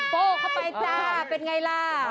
โก้เข้าไปจ้าเป็นไงล่ะ